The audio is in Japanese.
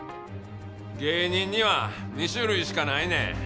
芸人には２種類しかないねん。